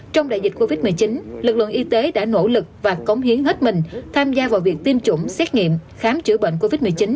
trong đại dịch covid một mươi chín lực lượng y tế đã nỗ lực và cống hiến hết mình tham gia vào việc tiêm chủng xét nghiệm khám chữa bệnh covid một mươi chín